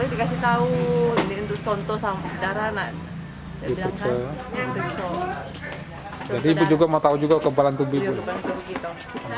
itu takpok kan boleh dikasih tahu ini untuk contoh sampel darah anak diperiksa